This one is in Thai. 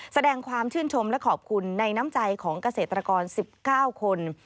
แสดงความชื่นชมและขอบคุณในน้ำใจของเกษตรกร๑๙คน